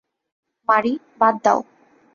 মারি, বাদ দাও।